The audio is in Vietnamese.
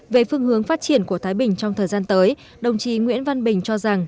về phương hướng phát triển của thái bình trong thời gian tới đồng chí nguyễn văn bình cho rằng